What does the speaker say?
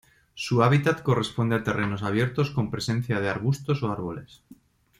Su hábitat corresponde a terrenos abiertos con presencia de arbustos o árboles.